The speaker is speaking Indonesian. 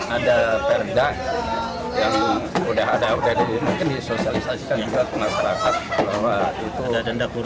ada perdag yang sudah ada udah dulu mungkin disosialisasikan juga ke masyarakat